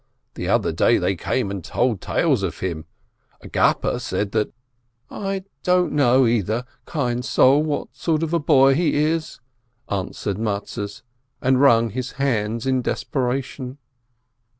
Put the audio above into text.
The other day they came and told tales of him — Agapa said that —" "I don't know, either, kind soul, what sort of a boy he is," answered Mattes, and wrung his hands in des peration.